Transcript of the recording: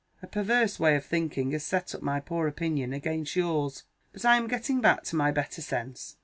"A perverse way of thinking has set up my poor opinion against yours. But I am getting back to my better sense.